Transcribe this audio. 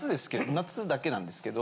夏だけなんですけど。